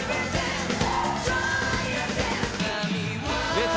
出た。